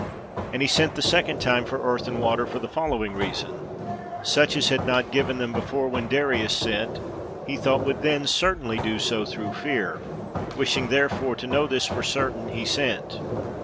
And he sent the second time for earth and water for the following reason; such as had not given them before when Darius sent, he thought would then certainly do so through fear ; wishing, there fore, to know this for certain, he sent.